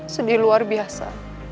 sedih luar biasa